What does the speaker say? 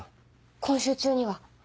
・今週中には。